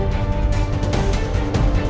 rangka k teraz